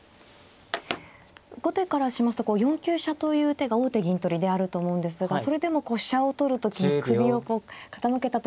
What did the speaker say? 後手からしますと４九飛車という手が王手銀取りであると思うんですがそれでも飛車を取る時に首を傾けたというのは。